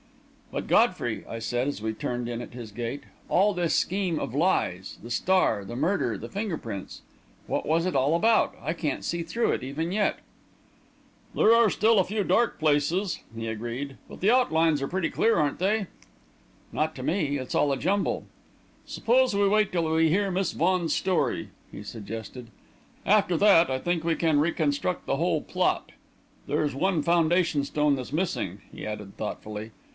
"But, Godfrey," I said, as we turned in at his gate, "all this scheme of lies the star, the murder, the finger prints what was it all about? I can't see through it, even yet." "There are still a few dark places," he agreed; "but the outlines are pretty clear, aren't they?" "Not to me it's all a jumble." "Suppose we wait till we hear Miss Vaughan's story," he suggested. "After that, I think, we can reconstruct the whole plot. There's one foundation stone that's missing," he added, thoughtfully.